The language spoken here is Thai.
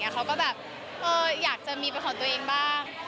เขาก็แบบอยากจะมีเป็นของตัวเองบ้าง